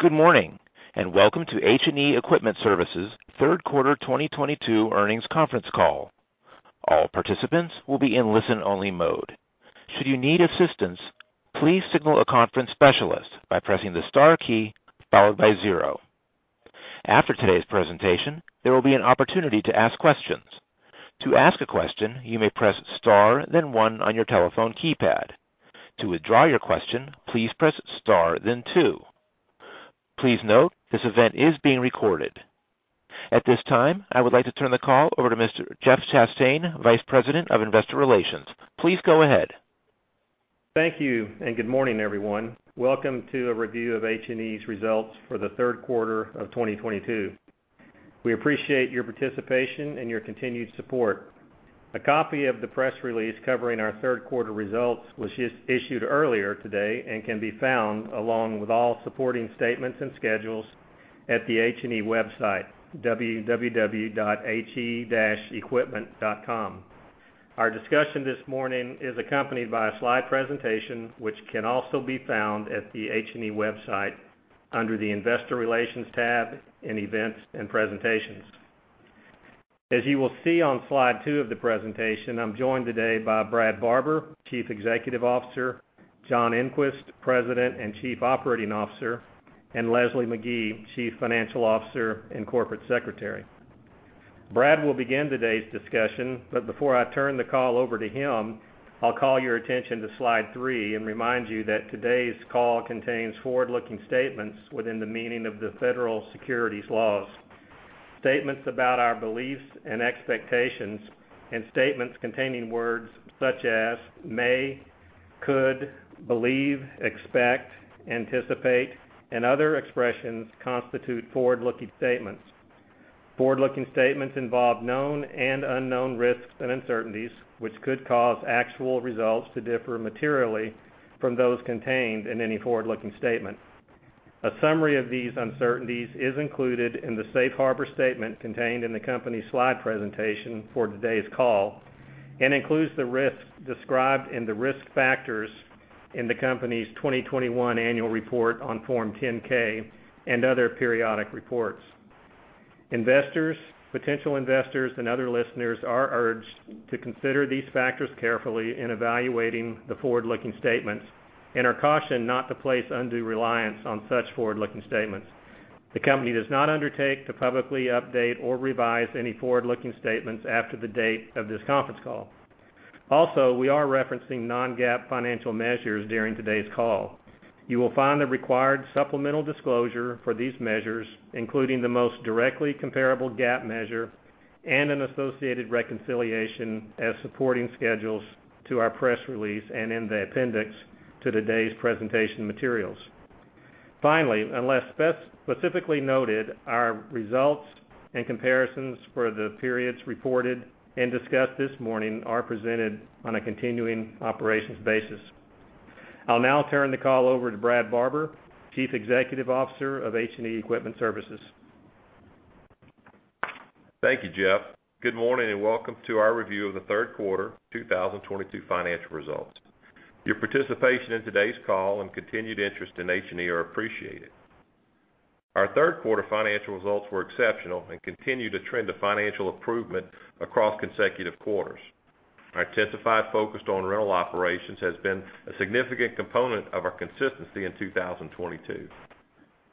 Good morning, and welcome to H&E Equipment Services' third quarter 2022 earnings conference call. All participants will be in listen-only mode. Should you need assistance, please signal a conference specialist by pressing the star key followed by 0. After today's presentation, there will be an opportunity to ask questions. To ask a question, you may press star then 1 on your telephone keypad. To withdraw your question, please press star then 2. Please note, this event is being recorded. At this time, I would like to turn the call over to Mr. Jeff Chastain, Vice President of Investor Relations. Please go ahead. Thank you, and good morning, everyone. Welcome to a review of H&E's results for the third quarter of 2022. We appreciate your participation and your continued support. A copy of the press release covering our third quarter results was issued earlier today and can be found along with all supporting statements and schedules at the H&E website, www.he-equipment.com. Our discussion this morning is accompanied by a slide presentation, which can also be found at the H&E website under the Investor Relations tab in Events and Presentations. As you will see on slide 2 of the presentation, I'm joined today by Brad Barber, Chief Executive Officer, John Engquist, President and Chief Operating Officer, and Leslie Magee, Chief Financial Officer and Corporate Secretary. Brad will begin today's discussion, but before I turn the call over to him, I'll call your attention to slide 3 and remind you that today's call contains forward-looking statements within the meaning of the federal securities laws. Statements about our beliefs and expectations and statements containing words such as may, could, believe, expect, anticipate, and other expressions constitute forward-looking statements. Forward-looking statements involve known and unknown risks and uncertainties, which could cause actual results to differ materially from those contained in any forward-looking statement. A summary of these uncertainties is included in the safe harbor statement contained in the company's slide presentation for today's call and includes the risks described in the risk factors in the company's 2021 annual report on Form 10-K and other periodic reports. Investors, potential investors, and other listeners are urged to consider these factors carefully in evaluating the forward-looking statements and are cautioned not to place undue reliance on such forward-looking statements. The company does not undertake to publicly update or revise any forward-looking statements after the date of this conference call. Also, we are referencing non-GAAP financial measures during today's call. You will find the required supplemental disclosure for these measures, including the most directly comparable GAAP measure and an associated reconciliation as supporting schedules to our press release and in the appendix to today's presentation materials. Finally, unless specifically noted, our results and comparisons for the periods reported and discussed this morning are presented on a continuing operations basis. I'll now turn the call over to Brad Barber, Chief Executive Officer of H&E Equipment Services. Thank you, Jeff. Good morning, and welcome to our review of the third quarter 2022 financial results. Your participation in today's call and continued interest in H&E are appreciated. Our third quarter financial results were exceptional and continue the trend of financial improvement across consecutive quarters. Our intensified focus on rental operations has been a significant component of our consistency in 2022.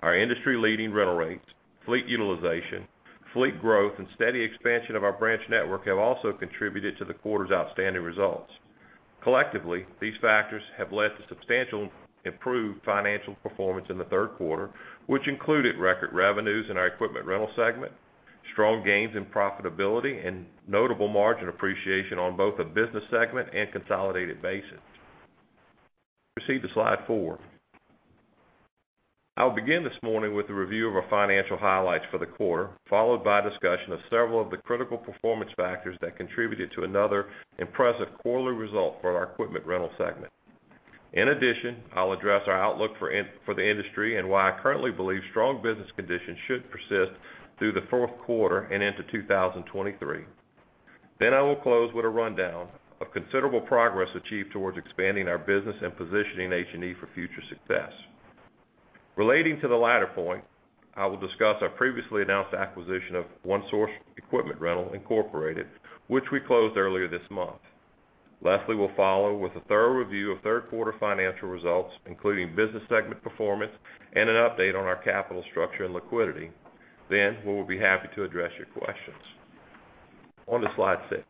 Our industry-leading rental rates, fleet utilization, fleet growth, and steady expansion of our branch network have also contributed to the quarter's outstanding results. Collectively, these factors have led to substantially improved financial performance in the third quarter, which included record revenues in our equipment rental segment, strong gains in profitability, and notable margin appreciation on both a business segment and consolidated basis. Proceed to slide 4. I'll begin this morning with a review of our financial highlights for the quarter, followed by a discussion of several of the critical performance factors that contributed to another impressive quarterly result for our equipment rental segment. In addition, I'll address our outlook for the industry and why I currently believe strong business conditions should persist through the fourth quarter and into 2023. I will close with a rundown of considerable progress achieved towards expanding our business and positioning H&E for future success. Relating to the latter point, I will discuss our previously announced acquisition of One Source Equipment Rentals, Inc., which we closed earlier this month. Leslie will follow with a thorough review of third quarter financial results, including business segment performance and an update on our capital structure and liquidity. We will be happy to address your questions. On to slide 6.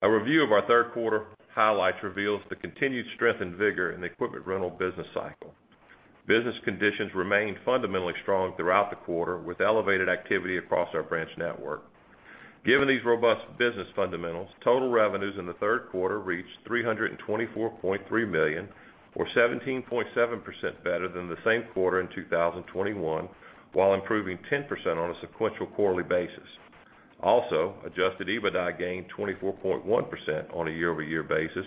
A review of our third quarter highlights reveals the continued strength and vigor in the equipment rental business cycle. Business conditions remained fundamentally strong throughout the quarter, with elevated activity across our branch network. Given these robust business fundamentals, total revenues in the third quarter reached $324.3 million, or 17.7% better than the same quarter in 2021, while improving 10% on a sequential quarterly basis. Adjusted EBITDA gained 24.1% on a year-over-year basis,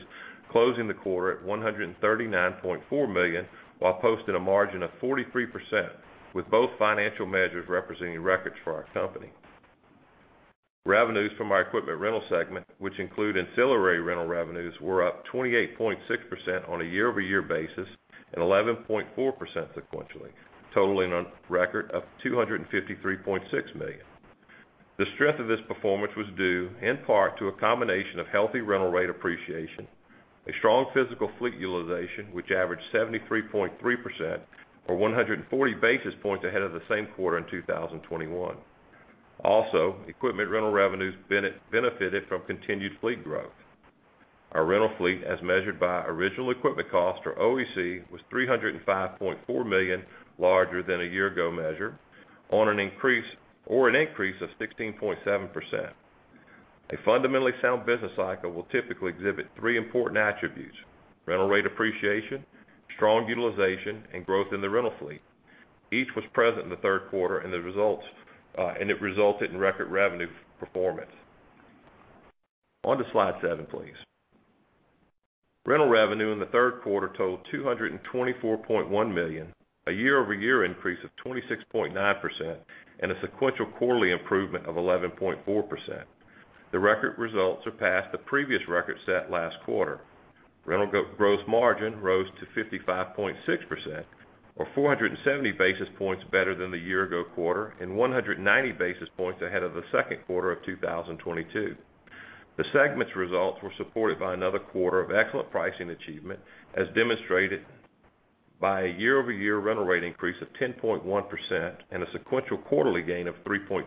closing the quarter at $139.4 million, while posting a margin of 43%, with both financial measures representing records for our company. Revenues from our equipment rental segment, which include ancillary rental revenues, were up 28.6% on a year-over-year basis and 11.4% sequentially, totaling a record of $253.6 million. The strength of this performance was due in part to a combination of healthy rental rate appreciation, a strong physical fleet utilization, which averaged 73.3% or 140 basis points ahead of the same quarter in 2021. Equipment rental revenues benefited from continued fleet growth. Our rental fleet, as measured by original equipment cost, or OEC, was $305.4 million larger than a year ago, an increase of 16.7%. A fundamentally sound business cycle will typically exhibit three important attributes. Rental rate appreciation, strong utilization, and growth in the rental fleet. Each was present in the third quarter, and the results, and it resulted in record revenue performance. On to slide seven, please. Rental revenue in the third quarter totaled $224.1 million, a year-over-year increase of 26.9%, and a sequential quarterly improvement of 11.4%. The record results surpassed the previous record set last quarter. Rental gross margin rose to 55.6% or 470 basis points better than the year ago quarter and 190 basis points ahead of the second quarter of 2022. The segment's results were supported by another quarter of excellent pricing achievement, as demonstrated by a year-over-year rental rate increase of 10.1% and a sequential quarterly gain of 3.2%.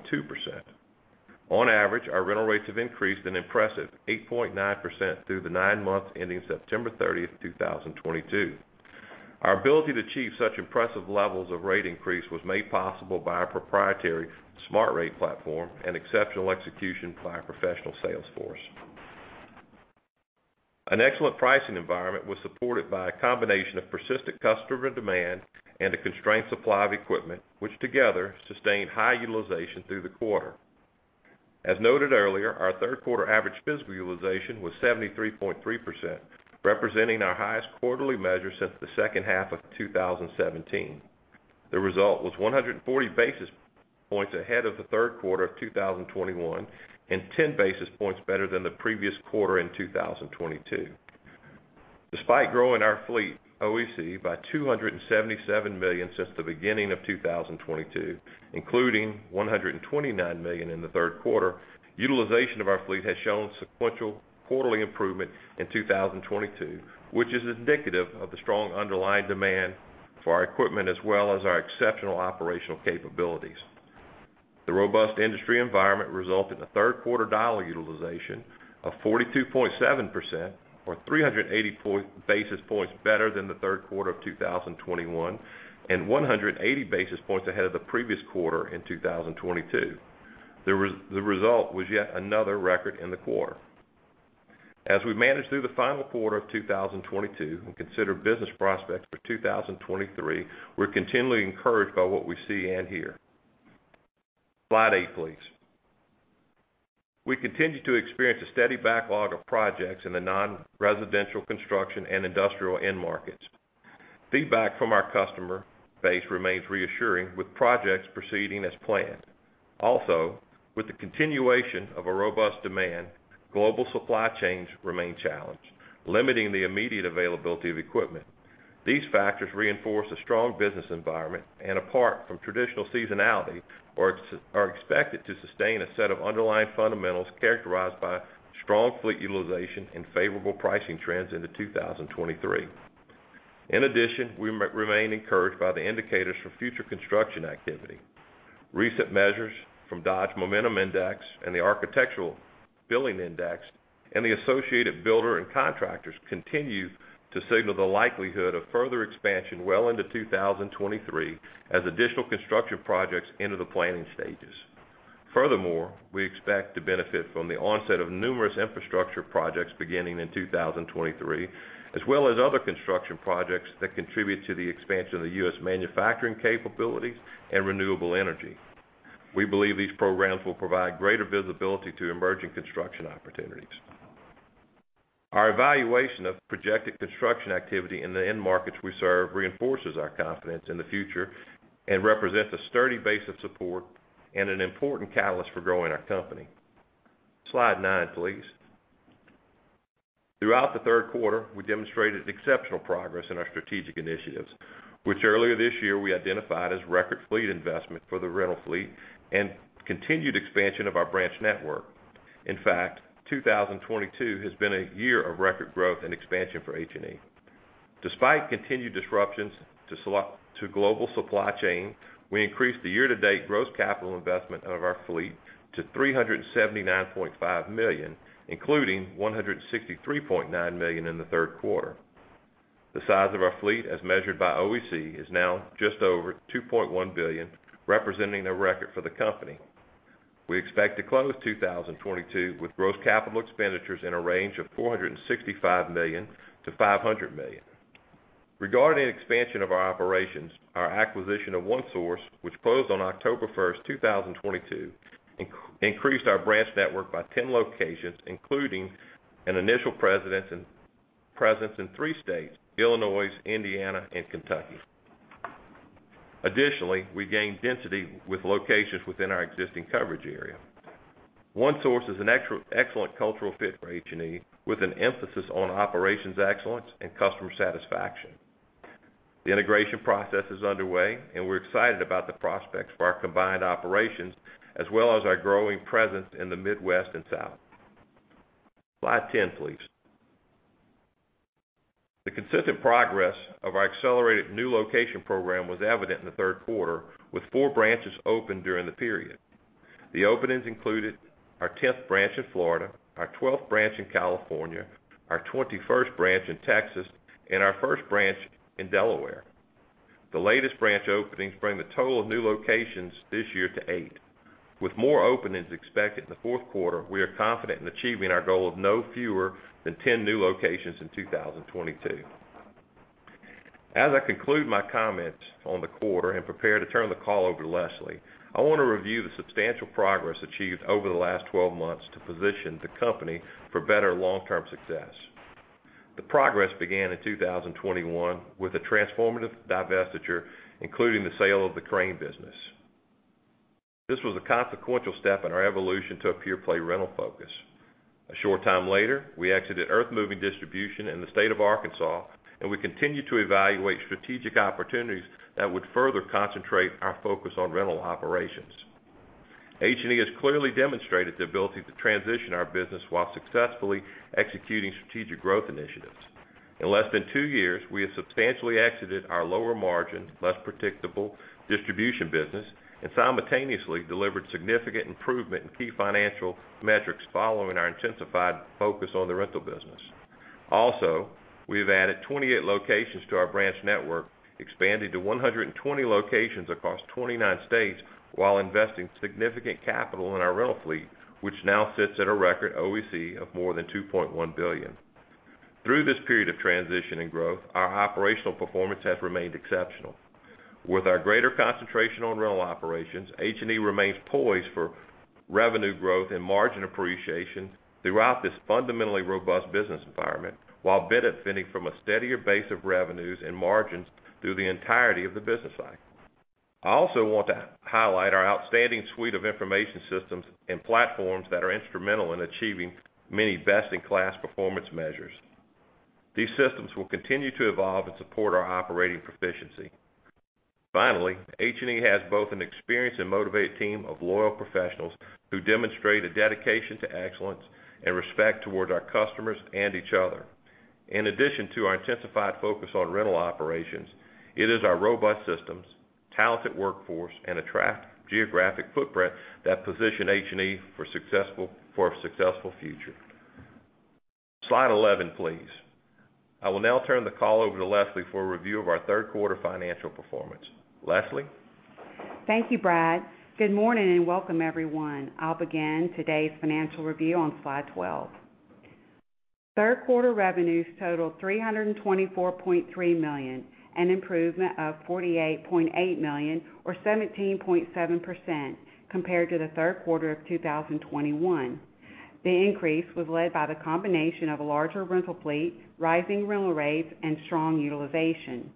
On average, our rental rates have increased an impressive 8.9% through the 9 months ending September 30, 2022. Our ability to achieve such impressive levels of rate increase was made possible by our proprietary SmartRate platform and exceptional execution by our professional sales force. An excellent pricing environment was supported by a combination of persistent customer demand and a constrained supply of equipment, which together sustained high utilization through the quarter. As noted earlier, our third quarter average physical utilization was 73.3%, representing our highest quarterly measure since the second half of 2017. The result was 140 basis points ahead of the third quarter of 2021 and 10 basis points better than the previous quarter in 2022. Despite growing our fleet OEC by $277 million since the beginning of 2022, including $129 million in the third quarter, utilization of our fleet has shown sequential quarterly improvement in 2022, which is indicative of the strong underlying demand for our equipment as well as our exceptional operational capabilities. The robust industry environment resulted in a third quarter dollar utilization of 42.7% or 380 basis points better than the third quarter of 2021 and 180 basis points ahead of the previous quarter in 2022. The result was yet another record in the quarter. As we manage through the final quarter of 2022, and consider business prospects for 2023, we're continually encouraged by what we see and hear. Slide eight, please. We continue to experience a steady backlog of projects in the non-residential construction and industrial end markets. Feedback from our customer base remains reassuring, with projects proceeding as planned. Also, with the continuation of a robust demand, global supply chains remain challenged, limiting the immediate availability of equipment. These factors reinforce a strong business environment and apart from traditional seasonality, are expected to sustain a set of underlying fundamentals characterized by strong fleet utilization and favorable pricing trends into 2023. In addition, we remain encouraged by the indicators for future construction activity. Recent measures from Dodge Momentum Index and the Architecture Billings Index and the associated builder and contractors continue to signal the likelihood of further expansion well into 2023 as additional construction projects enter the planning stages. Furthermore, we expect to benefit from the onset of numerous infrastructure projects beginning in 2023, as well as other construction projects that contribute to the expansion of the U.S. manufacturing capabilities and renewable energy. We believe these programs will provide greater visibility to emerging construction opportunities. Our evaluation of projected construction activity in the end markets we serve reinforces our confidence in the future and represents a sturdy base of support and an important catalyst for growing our company. Slide 9, please. Throughout the third quarter, we demonstrated exceptional progress in our strategic initiatives, which earlier this year we identified as record fleet investment for the rental fleet and continued expansion of our branch network. In fact, 2022 has been a year of record growth and expansion for H&E. Despite continued disruptions to global supply chain, we increased the year-to-date gross capital investment of our fleet to $379.5 million, including $163.9 million in the third quarter. The size of our fleet, as measured by OEC, is now just over $2.1 billion, representing a record for the company. We expect to close 2022 with gross capital expenditures in a range of $465 million-$500 million. Regarding expansion of our operations, our acquisition of OneSource, which closed on October 1, 2022, increased our branch network by 10 locations, including an initial presence in three states, Illinois, Indiana, and Kentucky. Additionally, we gained density with locations within our existing coverage area. OneSource is an excellent cultural fit for H&E, with an emphasis on operations excellence and customer satisfaction. The integration process is underway, and we're excited about the prospects for our combined operations, as well as our growing presence in the Midwest and South. Slide 10, please. The consistent progress of our accelerated new location program was evident in the third quarter, with four branches opened during the period. The openings included our 10th branch in Florida, our 12th branch in California, our 21st branch in Texas, and our 1st branch in Delaware. The latest branch openings bring the total of new locations this year to 8. With more openings expected in the fourth quarter, we are confident in achieving our goal of no fewer than 10 new locations in 2022. As I conclude my comments on the quarter and prepare to turn the call over to Leslie, I want to review the substantial progress achieved over the last 12 months to position the company for better long-term success. The progress began in 2021 with a transformative divestiture, including the sale of the crane business. This was a consequential step in our evolution to a pure-play rental focus. A short time later, we exited earthmoving distribution in the state of Arkansas, and we continue to evaluate strategic opportunities that would further concentrate our focus on rental operations. H&E has clearly demonstrated the ability to transition our business while successfully executing strategic growth initiatives. In less than two years, we have substantially exited our lower margin, less predictable distribution business and simultaneously delivered significant improvement in key financial metrics following our intensified focus on the rental business. Also, we have added 28 locations to our branch network, expanding to 120 locations across 29 states while investing significant capital in our rental fleet, which now sits at a record OEC of more than $2.1 billion. Through this period of transition and growth, our operational performance has remained exceptional. With our greater concentration on rental operations, H&E remains poised for revenue growth and margin appreciation throughout this fundamentally robust business environment while benefiting from a steadier base of revenues and margins through the entirety of the business cycle. I also want to highlight our outstanding suite of information systems and platforms that are instrumental in achieving many best-in-class performance measures. These systems will continue to evolve and support our operating proficiency. Finally, H&E has both an experienced and motivated team of loyal professionals who demonstrate a dedication to excellence and respect toward our customers and each other. In addition to our intensified focus on rental operations, it is our robust systems, talented workforce, and attract geographic footprint that position H&E for a successful future. Slide 11, please. I will now turn the call over to Leslie for a review of our third quarter financial performance. Leslie? Thank you, Brad. Good morning, and welcome, everyone. I'll begin today's financial review on slide 12. Third quarter revenues totaled $324.3 million, an improvement of $48.8 million or 17.7% compared to the third quarter of 2021. The increase was led by the combination of a larger rental fleet, rising rental rates, and strong utilization.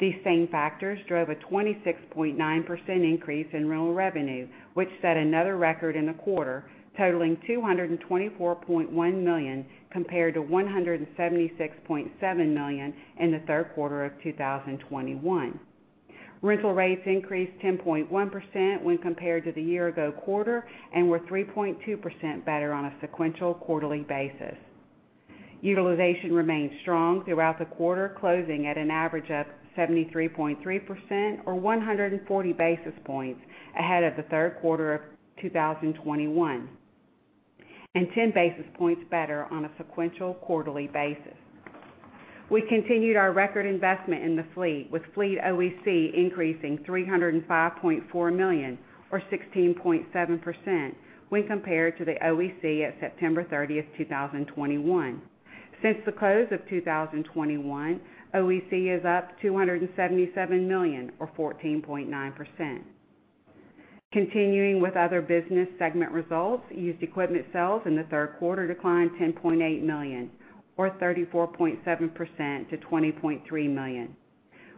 These same factors drove a 26.9% increase in rental revenue, which set another record in the quarter, totaling $224.1 million compared to $176.7 million in the third quarter of 2021. Rental rates increased 10.1% when compared to the year ago quarter and were 3.2% better on a sequential quarterly basis. Utilization remained strong throughout the quarter, closing at an average of 73.3 or 140 basis points ahead of the third quarter of 2021, and 10 basis points better on a sequential quarterly basis. We continued our record investment in the fleet, with fleet OEC increasing $305.4 million or 16.7% when compared to the OEC at September 30, 2021. Since the close of 2021, OEC is up $277 million or 14.9%. Continuing with other business segment results, used equipment sales in the third quarter declined $10.8 million or 34.7% to $20.3 million.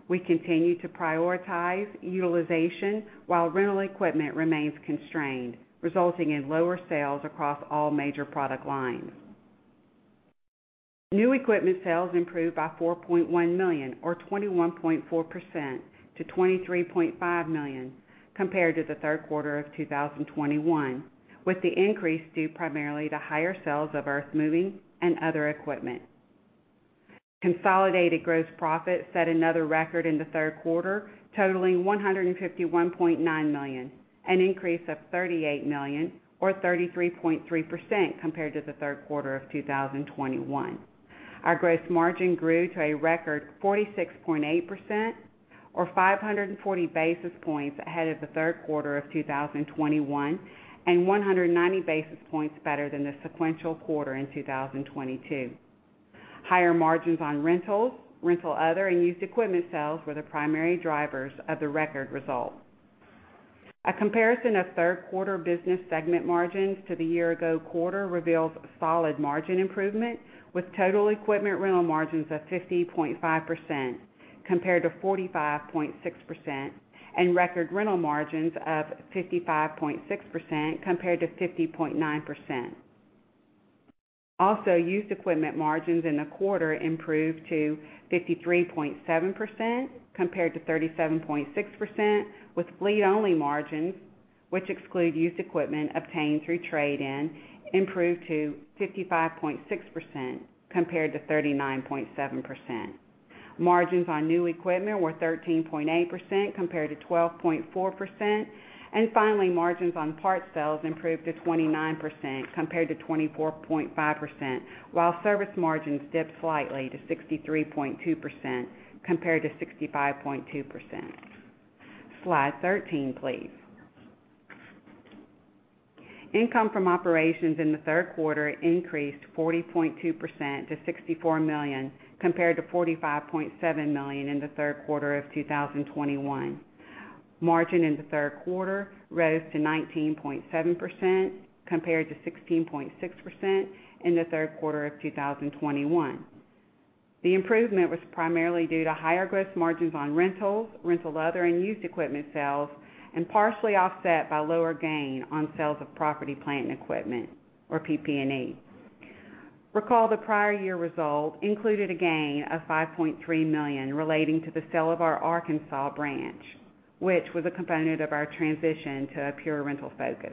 We continue to prioritize utilization while rental equipment remains constrained, resulting in lower sales across all major product lines. New equipment sales improved by $4.1 million or 21.4% to $23.5 million compared to the third quarter of 2021, with the increase due primarily to higher sales of earthmoving and other equipment. Consolidated gross profit set another record in the third quarter, totaling $151.9 million, an increase of $38 million or 33.3% compared to the third quarter of 2021. Our gross margin grew to a record 46.8% or 540 basis points ahead of the third quarter of 2021 and 190 basis points better than the sequential quarter in 2022. Higher margins on rentals, rental other, and used equipment sales were the primary drivers of the record results. A comparison of third quarter business segment margins to the year ago quarter reveals solid margin improvement, with total equipment rental margins of 50.5% compared to 45.6% and record rental margins of 55.6% compared to 50.9%. Also, used equipment margins in the quarter improved to 53.7% compared to 37.6%, with fleet-only margins, which exclude used equipment obtained through trade-in, improved to 55.6% compared to 39.7%. Margins on new equipment were 13.8% compared to 12.4%. Finally, margins on parts sales improved to 29% compared to 24.5%, while service margins dipped slightly to 63.2% compared to 65.2%. Slide 13, please. Income from operations in the third quarter increased 40.2% to $64 million, compared to $45.7 million in the third quarter of 2021. Margin in the third quarter rose to 19.7% compared to 16.6% in the third quarter of 2021. The improvement was primarily due to higher gross margins on rentals, rental other and used equipment sales, and partially offset by lower gain on sales of property, plant, and equipment, or PP&E. Recall the prior year result included a gain of $5.3 million relating to the sale of our Arkansas branch, which was a component of our transition to a pure rental focus.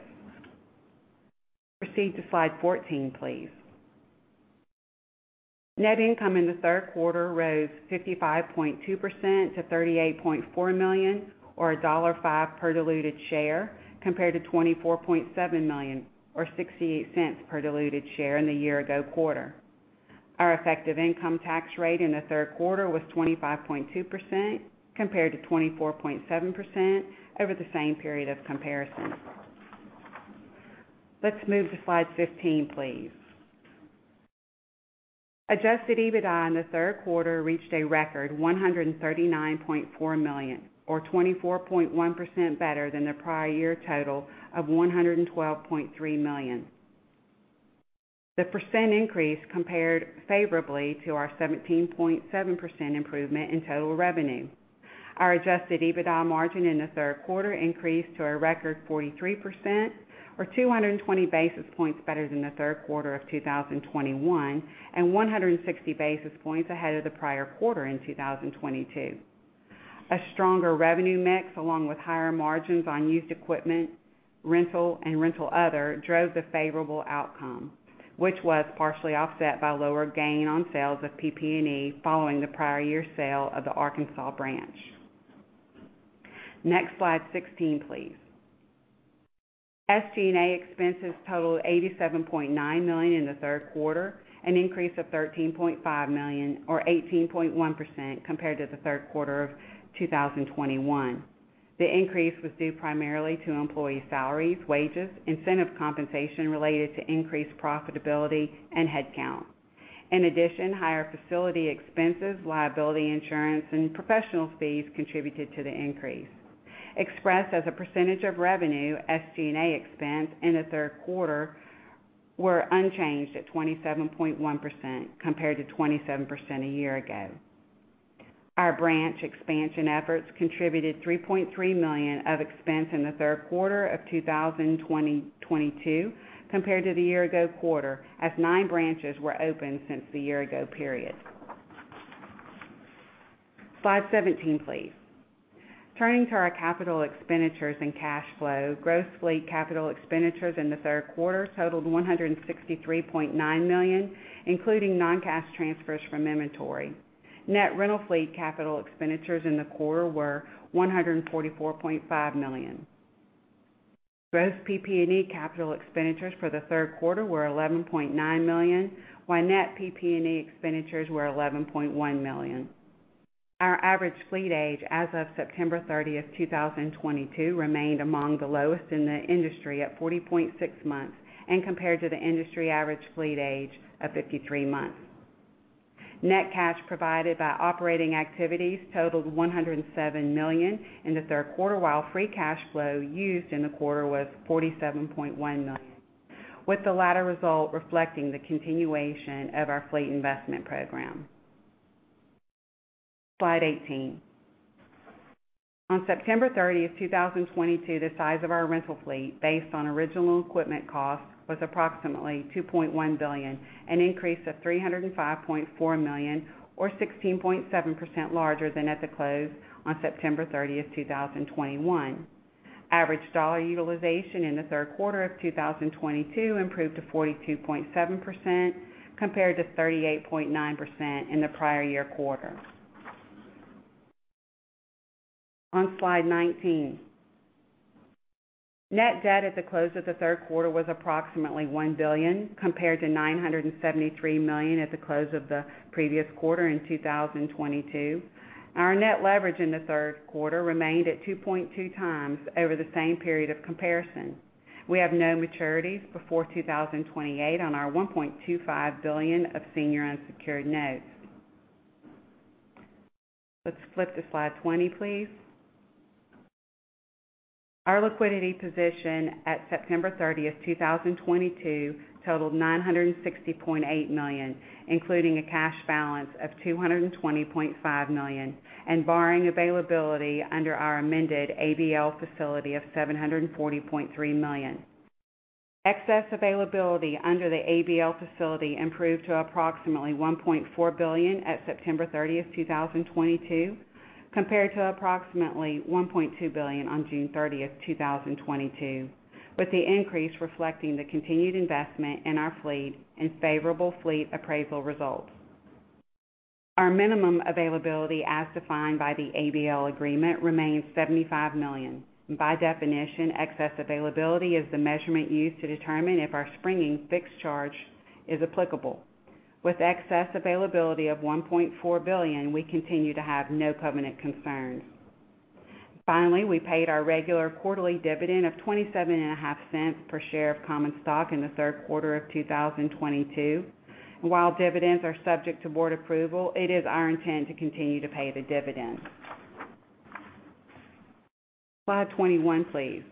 Proceed to slide 14, please. Net income in the third quarter rose 55.2% to $38.4 million, or $1.05 per diluted share, compared to $24.7 million, or $0.68 per diluted share in the year ago quarter. Our effective income tax rate in the third quarter was 25.2% compared to 24.7% over the same period of comparison. Let's move to slide 15, please. Adjusted EBITDA in the third quarter reached a record $139.4 million or 24.1% better than the prior year total of $112.3 million. The percent increase compared favorably to our 17.7% improvement in total revenue. Our adjusted EBITDA margin in the third quarter increased to a record 43% or 220 basis points better than the third quarter of 2021 and 160 basis points ahead of the prior quarter in 2022. A stronger revenue mix, along with higher margins on used equipment, rental, and rental other drove the favorable outcome, which was partially offset by lower gain on sales of PP&E following the prior year sale of the Arkansas branch. Next slide, 16, please. SG&A expenses totaled $87.9 million in the third quarter, an increase of $13.5 million or 18.1% compared to the third quarter of 2021. The increase was due primarily to employee salaries, wages, incentive compensation related to increased profitability and headcount. In addition, higher facility expenses, liability insurance, and professional fees contributed to the increase. Expressed as a percentage of revenue, SG&A expense in the third quarter were unchanged at 27.1% compared to 27% a year ago. Our branch expansion efforts contributed $3.3 million of expense in the third quarter of 2022 compared to the year ago quarter, as 9 branches were opened since the year ago period. Slide 17, please. Turning to our capital expenditures and cash flow, gross fleet capital expenditures in the third quarter totaled $163.9 million, including non-cash transfers from inventory. Net rental fleet capital expenditures in the quarter were $144.5 million. Gross PP&E capital expenditures for the third quarter were $11.9 million, while net PP&E expenditures were $11.1 million. Our average fleet age as of September 30, 2022 remained among the lowest in the industry at 40.6 months and compared to the industry average fleet age of 53 months. Net cash provided by operating activities totaled $107 million in the third quarter, while free cash flow used in the quarter was $47.1 million, with the latter result reflecting the continuation of our fleet investment program. Slide 18. On September 30, 2022, the size of our rental fleet based on original equipment cost was approximately $2.1 billion, an increase of $305.4 million or 16.7% larger than at the close on September 30, 2021. Average dollar utilization in the third quarter of 2022 improved to 42.7% compared to 38.9% in the prior year quarter. On slide 19. Net debt at the close of the third quarter was approximately $1 billion, compared to $973 million at the close of the previous quarter in 2022. Our net leverage in the third quarter remained at 2.2x over the same period of comparison. We have no maturities before 2028 on our $1.25 billion of senior unsecured notes. Let's flip to slide 20, please. Our liquidity position at September 30, 2022 totaled $960.8 million, including a cash balance of $220.5 million and borrowing availability under our amended ABL facility of $740.3 million. Excess availability under the ABL facility improved to approximately $1.4 billion at September 30, 2022, compared to approximately $1.2 billion on June 30, 2022, with the increase reflecting the continued investment in our fleet and favorable fleet appraisal results. Our minimum availability, as defined by the ABL agreement, remains $75 million. By definition, excess availability is the measurement used to determine if our springing fixed charge is applicable. With excess availability of $1.4 billion, we continue to have no covenant concerns. Finally, we paid our regular quarterly dividend of $0.275 per share of common stock in the third quarter of 2022. While dividends are subject to board approval, it is our intent to continue to pay the dividend. Slide 21, please.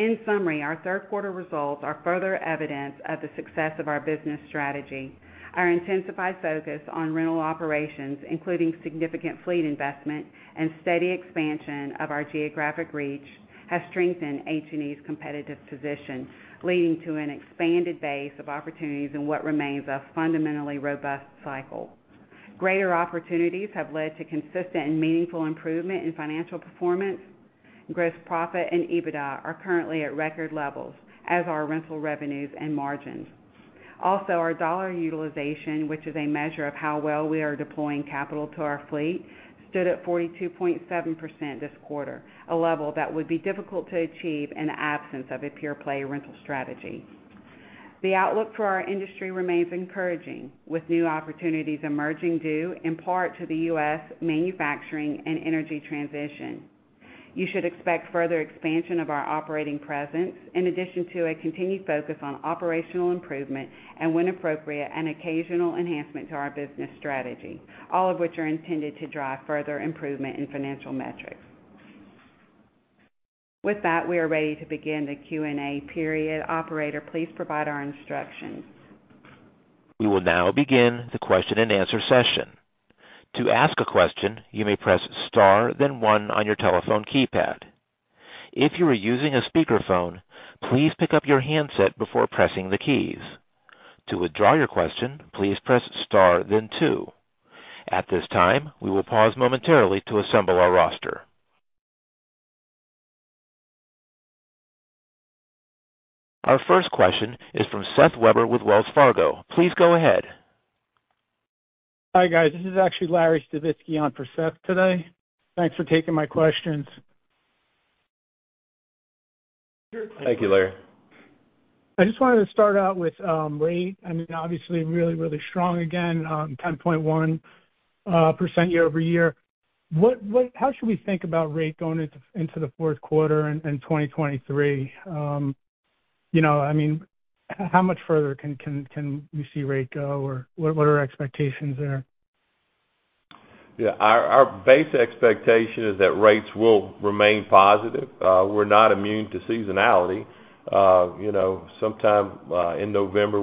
In summary, our third quarter results are further evidence of the success of our business strategy. Our intensified focus on rental operations, including significant fleet investment and steady expansion of our geographic reach, has strengthened H&E's competitive position, leading to an expanded base of opportunities in what remains a fundamentally robust cycle. Greater opportunities have led to consistent and meaningful improvement in financial performance. Gross profit and EBITDA are currently at record levels, as are rental revenues and margins. Also, our dollar utilization, which is a measure of how well we are deploying capital to our fleet, stood at 42.7% this quarter, a level that would be difficult to achieve in the absence of a pure play rental strategy. The outlook for our industry remains encouraging, with new opportunities emerging due in part to the U.S. manufacturing and energy transition. You should expect further expansion of our operating presence in addition to a continued focus on operational improvement and, when appropriate, an occasional enhancement to our business strategy, all of which are intended to drive further improvement in financial metrics. With that, we are ready to begin the Q&A period. Operator, please provide our instructions. We will now begin the question-and-answer session. To ask a question, you may press star then one on your telephone keypad. If you are using a speakerphone, please pick up your handset before pressing the keys. To withdraw your question, please press star then two. At this time, we will pause momentarily to assemble our roster. Our first question is from Seth Weber with Wells Fargo. Please go ahead. Hi, guys. This is actually Lawrence Stavitski on for Seth today. Thanks for taking my questions. Thank you, Larry. I just wanted to start out with rate. I mean, obviously really strong again, 10.1% year-over-year. How should we think about rate going into the fourth quarter in 2023? You know, I mean, how much further can we see rate go or what are expectations there? Yeah, our base expectation is that rates will remain positive. We're not immune to seasonality. You know, sometime in November,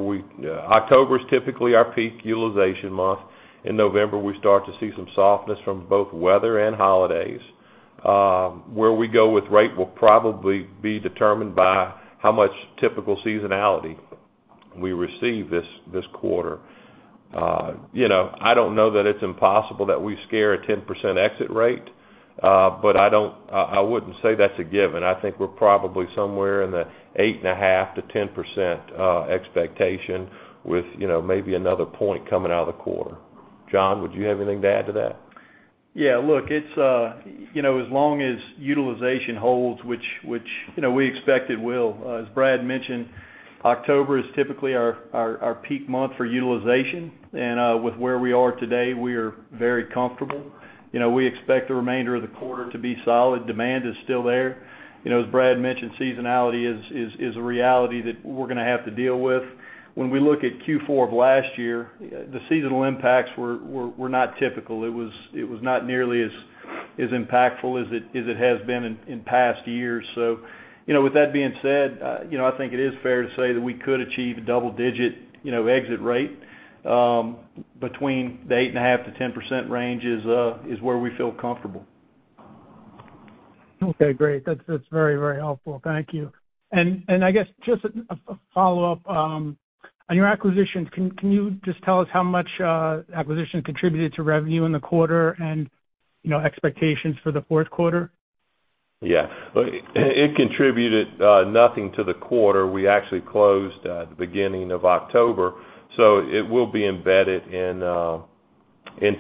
October is typically our peak utilization month. In November, we start to see some softness from both weather and holidays. Where we go with rate will probably be determined by how much typical seasonality we receive this quarter. You know, I don't know that it's impossible that we see a 10% exit rate, but I wouldn't say that's a given. I think we're probably somewhere in the 8.5%-10% expectation with maybe another point coming out of the quarter. John, would you have anything to add to that? Yeah, look, it's you know, as long as utilization holds, which you know, we expect it will. As Brad mentioned, October is typically our peak month for utilization. With where we are today, we are very comfortable. You know, we expect the remainder of the quarter to be solid. Demand is still there. You know, as Brad mentioned, seasonality is a reality that we're gonna have to deal with. When we look at Q4 of last year, the seasonal impacts were not typical. It was not nearly as impactful as it has been in past years. you know, with that being said I think it is fair to say that we could achieve a double digit exit rate, between the 8.5%-10% range is where we feel comfortable. Okay, great. That's very helpful. Thank you. I guess just a follow-up on your acquisitions, can you just tell us how much acquisition contributed to revenue in the quarter and expectations for the fourth quarter? Yeah. Look, it contributed nothing to the quarter. We actually closed at the beginning of October, so it will be embedded into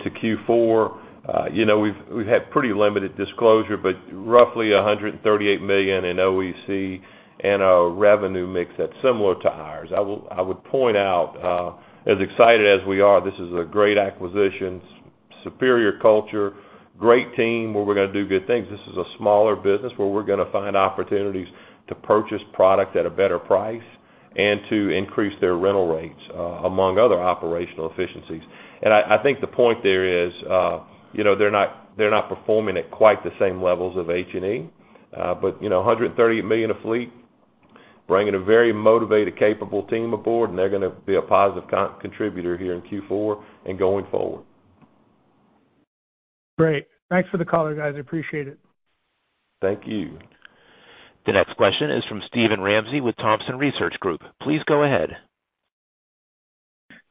Q4. You know, we've had pretty limited disclosure, but roughly $138 million in OEC and a revenue mix that's similar to ours. I would point out, as excited as we are, this is a great acquisition, superior culture, great team, where we're gonna do good things. This is a smaller business where we're gonna find opportunities to purchase product at a better price. And to increase their rental rates, among other operational efficiencies. I think the point there is they're not performing at quite the same levels of H&E, but you know, $138 million of fleet, bringing a very motivated, capable team aboard, and they're gonna be a positive contributor here in Q4 and going forward. Great. Thanks for the color, guys. I appreciate it. Thank you. The next question is from Steven Ramsey with Thompson Research Group. Please go ahead.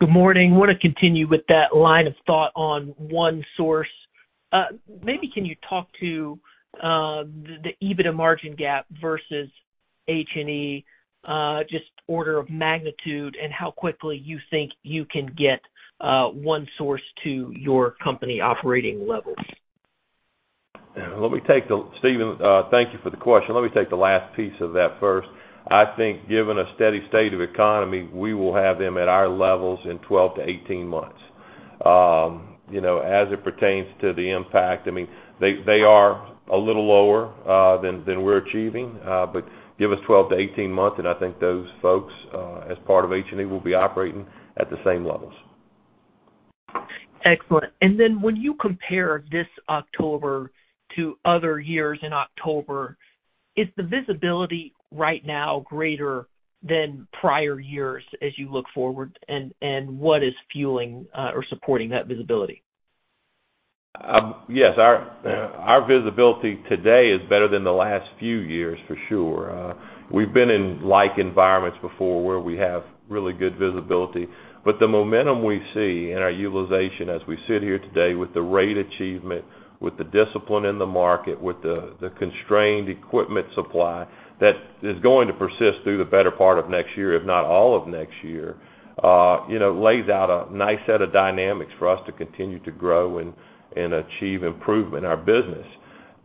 Good morning. Wanna continue with that line of thought on One Source. Maybe can you talk to the EBITDA margin gap versus H&E, just order of magnitude and how quickly you think you can get One Source to your company operating levels? Yeah. Steven, thank you for the question. Let me take the last piece of that first. I think given a steady state of economy, we will have them at our levels in 12-18 months. You know, as it pertains to the impact, I mean, they are a little lower than we're achieving, but give us 12-18 months, and I think those folks as part of H&E will be operating at the same levels. Excellent. Then when you compare this October to other years in October, is the visibility right now greater than prior years as you look forward, and what is fueling or supporting that visibility? Yes. Our visibility today is better than the last few years, for sure. We've been in like environments before where we have really good visibility, but the momentum we see in our utilization as we sit here today with the rate achievement, with the discipline in the market, with the constrained equipment supply that is going to persist through the better part of next year, if not all of next year lays out a nice set of dynamics for us to continue to grow and achieve improvement in our business.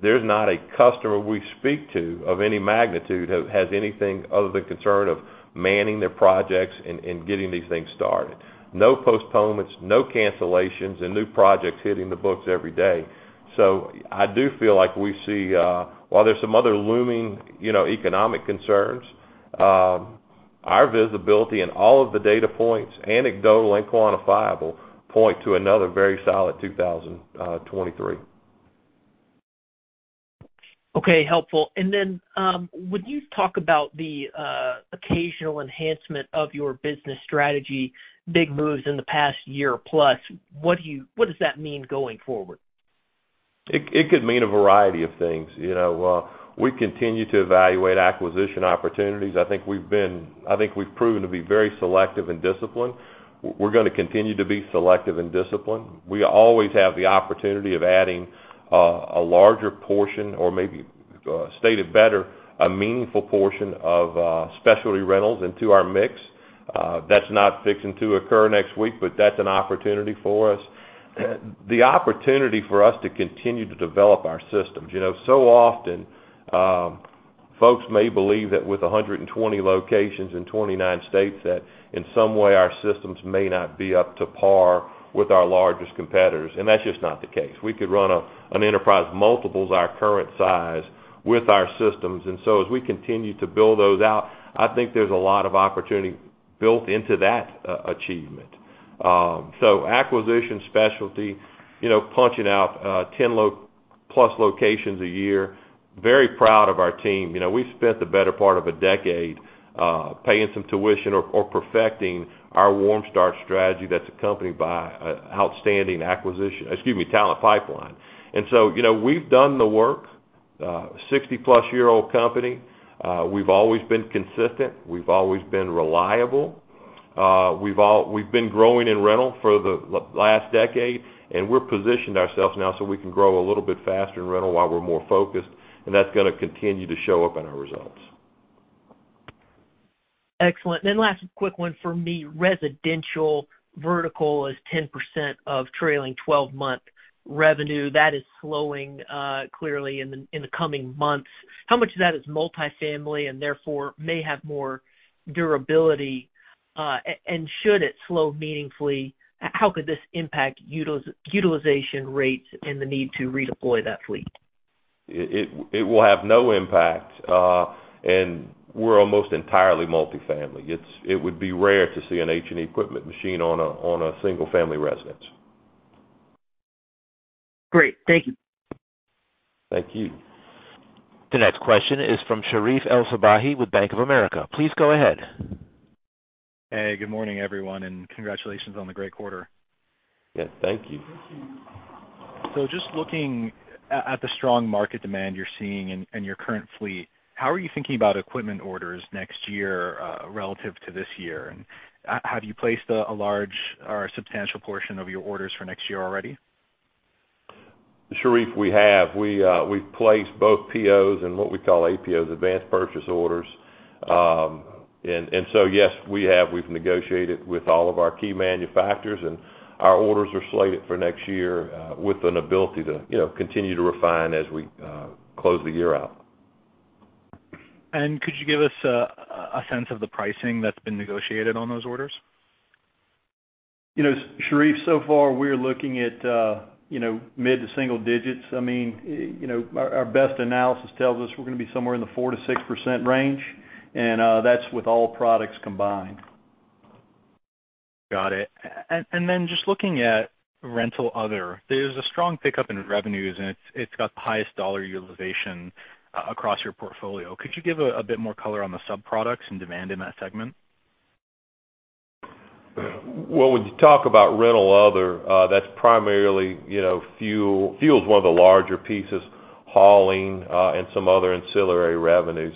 There's not a customer we speak to of any magnitude who has anything other than concern of manning their projects and getting these things started. No postponements, no cancellations, and new projects hitting the books every day. I do feel like we see, while there's some other looming economic concerns, our visibility and all of the data points, anecdotal and quantifiable, point to another very solid 2023. Okay, helpful. When you talk about the occasional enhancement of your business strategy, big moves in the past year plus, what does that mean going forward? It could mean a variety of things. You know, we continue to evaluate acquisition opportunities. I think we've proven to be very selective and disciplined. We're gonna continue to be selective and disciplined. We always have the opportunity of adding a larger portion or maybe stated better, a meaningful portion of specialty rentals into our mix. That's not fixing to occur next week, but that's an opportunity for us. The opportunity for us to continue to develop our systems. You know, so often, folks may believe that with 120 locations in 29 states, that in some way our systems may not be up to par with our largest competitors, and that's just not the case. We could run an enterprise multiple times our current size with our systems. As we continue to build those out, I think there's a lot of opportunity built into that achievement. Acquisition specialty punching out ten-plus locations a year, very proud of our team. You know, we've spent the better part of a decade paying some tuition or perfecting our warm start strategy that's accompanied by outstanding talent pipeline. You know, we've done the work, sixty-plus-year-old company. We've always been consistent. We've always been reliable. We've been growing in rental for the last decade, and we're positioned ourselves now so we can grow a little bit faster in rental while we're more focused, and that's gonna continue to show up in our results. Excellent. Last quick one for me. Residential vertical is 10% of trailing twelve-month revenue. That is slowing clearly in the coming months. How much of that is multifamily and therefore may have more durability? Should it slow meaningfully, how could this impact utilization rates and the need to redeploy that fleet? It will have no impact. We're almost entirely multifamily. It would be rare to see an H&E equipment machine on a single-family residence. Great. Thank you. Thank you. The next question is from Sherif El-Sabbahy with Bank of America. Please go ahead. Hey, good morning, everyone, and congratulations on the great quarter. Yeah, thank you. Just looking at the strong market demand you're seeing in your current fleet, how are you thinking about equipment orders next year relative to this year? Have you placed a large or a substantial portion of your orders for next year already? Sherif, we have. We've placed both POs and what we call APOs, advanced purchase orders. Yes, we have. We've negotiated with all of our key manufacturers, and our orders are slated for next year, with an ability to continue to refine as we close the year out. Could you give us a sense of the pricing that's been negotiated on those orders? You know, Sherif, so far we're looking at mid to single digits. I mean our best analysis tells us we're gonna be somewhere in the 4%-6% range, and that's with all products combined. Got it. Just looking at rental other, there's a strong pickup in revenues, and it's got the highest dollar utilization across your portfolio. Could you give a bit more color on the sub-products and demand in that segment? Well, when you talk about rental other, that's primarily fuel. Fuel's one of the larger pieces, hauling, and some other ancillary revenue.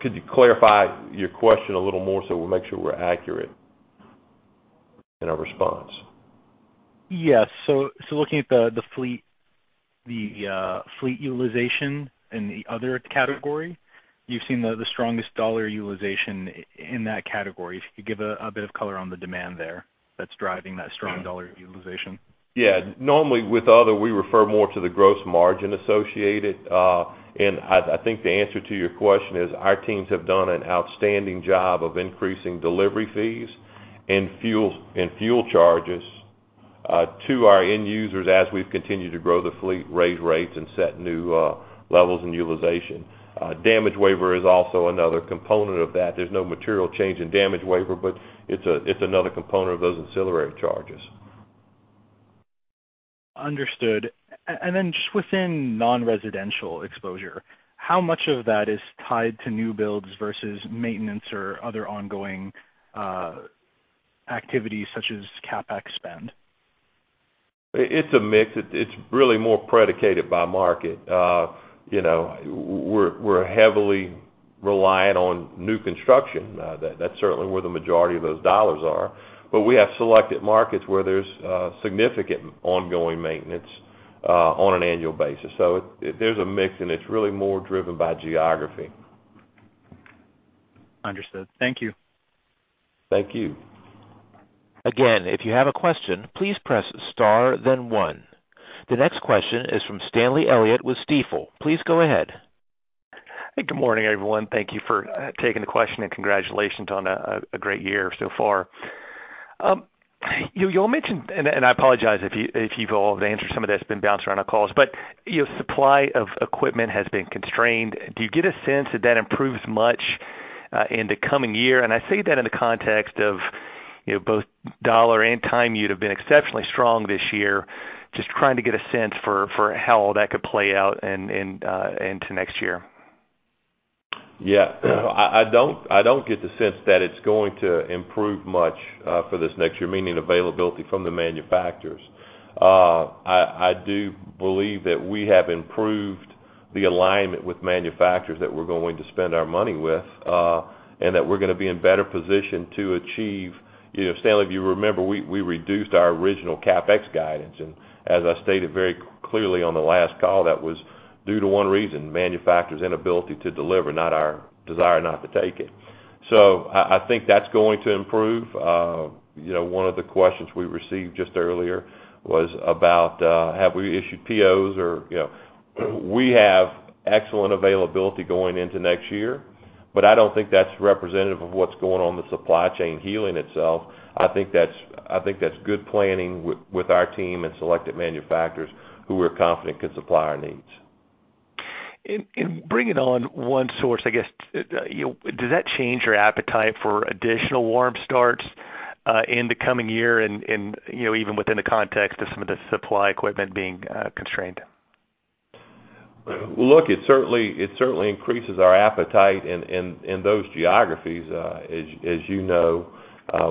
Could you clarify your question a little more so we'll make sure we're accurate in our response? Yes. Looking at the fleet utilization in the other category, you've seen the strongest dollar utilization in that category. If you could give a bit of color on the demand there that's driving that strong dollar utilization? Yeah. Normally, with other, we refer more to the gross margin associated. I think the answer to your question is our teams have done an outstanding job of increasing delivery fees and fuels, and fuel charges to our end users as we've continued to grow the fleet, raise rates, and set new levels in utilization. Damage waiver is also another component of that. There's no material change in damage waiver, but it's another component of those ancillary charges. Understood. Just within non-residential exposure, how much of that is tied to new builds versus maintenance or other ongoing activities such as CapEx spend? It's a mix. It's really more predicated by market. You know, we're heavily reliant on new construction. That's certainly where the majority of those dollars are. We have selected markets where there's significant ongoing maintenance on an annual basis. There's a mix, and it's really more driven by geography. Understood. Thank you. Thank you. Again, if you have a question, please press star then one. The next question is from Stanley Elliott with Stifel. Please go ahead. Good morning, everyone. Thank you for taking the question and congratulations on a great year so far. You all mentioned, and I apologize if you've all answered some of this. It's been bounced around our calls, but your supply of equipment has been constrained. Do you get a sense that that improves much in the coming year? I say that in the context of both dollar and time. You'd have been exceptionally strong this year. Just trying to get a sense for how all that could play out into next year. Yeah. I don't get the sense that it's going to improve much, for this next year, meaning availability from the manufacturers. I do believe that we have improved the alignment with manufacturers that we're going to spend our money with, and that we're gonna be in better position to achieve. You know, Stanley, if you remember, we reduced our original CapEx guidance. As I stated very clearly on the last call, that was due to one reason, manufacturer's inability to deliver, not our desire not to take it. I think that's going to improve. You know, one of the questions we received just earlier was about, have we issued POs or, you know. We have excellent availability going into next year, but I don't think that's representative of what's going on with supply chain healing itself. I think that's good planning with our team and selected manufacturers who we're confident can supply our needs. In bringing on One Source, I guess does that change your appetite for additional warm starts, in the coming year and even within the context of some of the supply equipment being constrained? Look, it certainly increases our appetite in those geographies. As you know,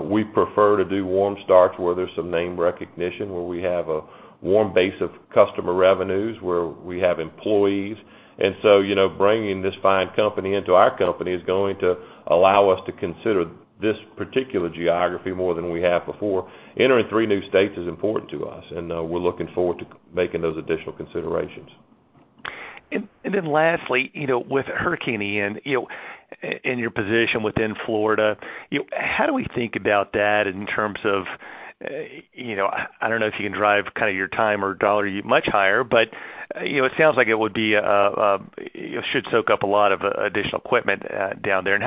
we prefer to do warm starts where there's some name recognition, where we have a warm base of customer revenues, where we have employees. You know, bringing this fine company into our company is going to allow us to consider this particular geography more than we have before. Entering three new states is important to us, and we're looking forward to making those additional considerations. Then lastly with Hurricane Ian and you're positioned within Florida how do we think about that in terms of I don't know if you can drive kinda your time or dollar much higher, but it sounds like it would be should soak up a lot of additional equipment down there.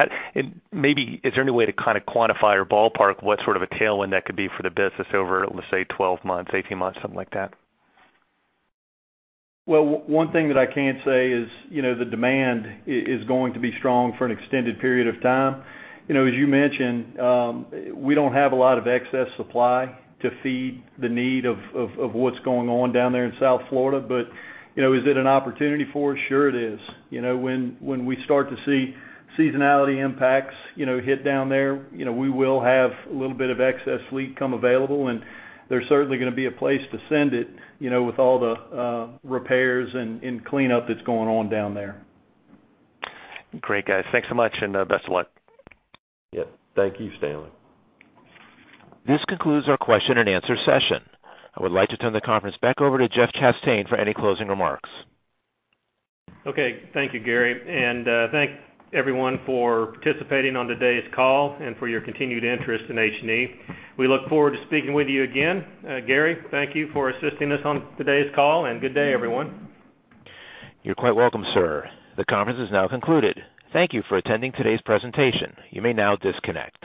Maybe is there any way to kinda quantify or ballpark what sort of a tailwind that could be for the business over, let's say, 12 months, 18 months, something like that? Well, one thing that I can say is the demand is going to be strong for an extended period of time. You know, as you mentioned, we don't have a lot of excess supply to feed the need of what's going on down there in South Florida. You know, is it an opportunity for us? Sure it is. You know, when we start to see seasonality impacts hit down there we will have a little bit of excess fleet come available, and there's certainly gonna be a place to send it with all the repairs and cleanup that's going on down there. Great, guys. Thanks so much, and best of luck. Yeah. Thank you, Stanley. This concludes our question-and-answer session. I would like to turn the conference back over to Jeff Chastain for any closing remarks. Okay. Thank you, Gary. Thank everyone for participating on today's call and for your continued interest in H&E. We look forward to speaking with you again. Gary, thank you for assisting us on today's call, and good day, everyone. You're quite welcome, sir. The conference is now concluded. Thank you for attending today's presentation. You may now disconnect.